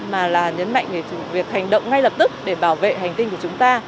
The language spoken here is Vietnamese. mà là nhấn mạnh về việc hành động ngay lập tức để bảo vệ hành tinh của chúng ta